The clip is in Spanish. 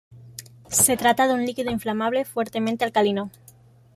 Se trata de un líquido inflamable, fuertemente alcalino.